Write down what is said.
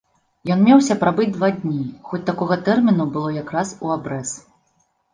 Ён меўся прабыць два дні, хоць такога тэрміну было якраз у абрэз.